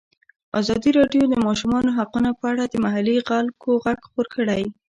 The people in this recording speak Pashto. ازادي راډیو د د ماشومانو حقونه په اړه د محلي خلکو غږ خپور کړی.